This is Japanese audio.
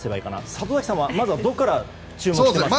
里崎さんはどこから注目していますか。